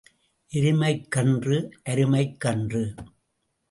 எருமைக் கன்று அருமைக் கன்று.